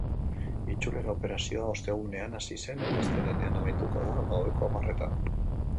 Itzulera operazioa ostegunean hasi zen eta astelehenean amaituko da, gaueko hamarretan.